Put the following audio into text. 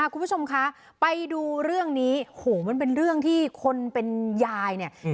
คุณผู้ชมคะไปดูเรื่องนี้โหมันเป็นเรื่องที่คนเป็นยายเนี่ย